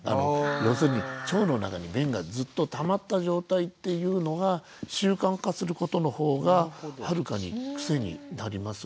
要するに腸の中に便がずっとたまった状態っていうのが習慣化することの方がはるかに癖になります。